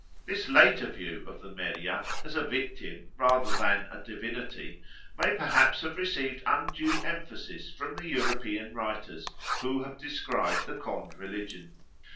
This later view of the Meriah as a victim rather than a divinity may perhaps have received undue emphasis from the European writers who have described the Khond religion.